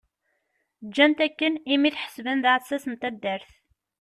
Ǧǧan-t akken imi t-ḥesben d aɛessas n taddart.